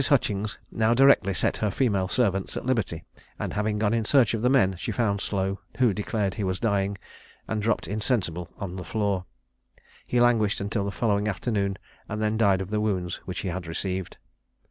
Hutchings now directly set her female servants at liberty, and having gone in search of the men, she found Slow, who declared he was dying, and dropped insensible on the floor. He languished until the following afternoon, and then died of the wounds which he had received.